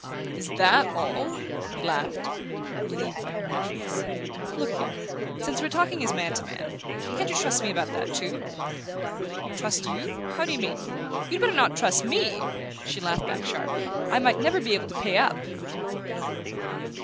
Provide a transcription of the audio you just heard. "Is THAT all?" He laughed, relieved by her naturalness. "Look here; since we re talking as man to man can't you trust me about that too?" "Trust you? How do you mean? You'd better not trust ME!" she laughed back sharply. "I might never be able to pay up!"